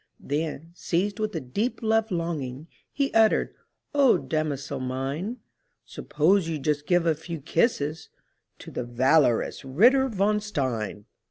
Then, seized with a deep love longing, He uttered, "O damosel mine, Suppose you just give a few kisses To the valorous Ritter von Stein!"